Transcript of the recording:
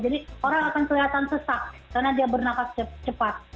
jadi orang akan kelihatan sesak karena dia bernafas cepat